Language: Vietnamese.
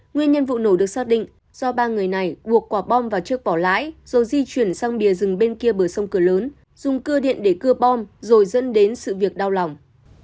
nguyên nhân vụ nổ được xác định do ba người này buộc quả bom vào trước bỏ lái rồi di chuyển sang bìa rừng bên kia bờ sông cửa lớn dùng cơ điện để cưa bom rồi dẫn đến sự việc đau lòng